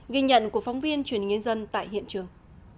ghi nhận của phóng viên truyền nhân dân tại hiện trường